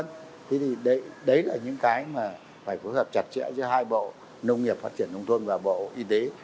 thế thì đấy là những cái mà phải phối hợp chặt chẽ giữa hai bộ nông nghiệp phát triển nông thôn và bộ y tế